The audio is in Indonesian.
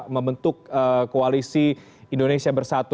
membentuk koalisi indonesia bersatu